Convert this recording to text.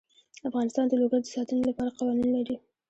افغانستان د لوگر د ساتنې لپاره قوانین لري.